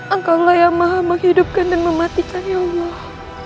angka allah yang maha menghidupkan dan mematikan ya allah